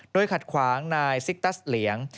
โดยขัดขวางนายซิกตัสเหลียง